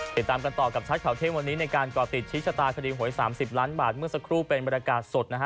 ติดตามกันต่อกับชัดข่าวเที่ยงวันนี้ในการก่อติดชี้ชะตาคดีหวย๓๐ล้านบาทเมื่อสักครู่เป็นบรรยากาศสดนะฮะ